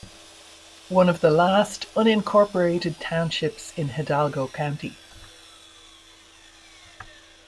One of the last unincorporated townships in Hidalgo county.